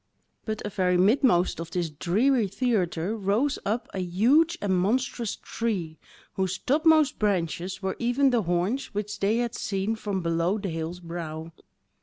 But a very midmost of this dreary theatre rose up a huge and monstrous tree, whose topmost branches were even the horns which they had seen from below the hill's brow.